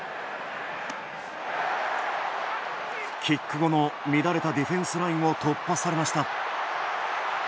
キック後の乱れたディフェンスラインを突破されました。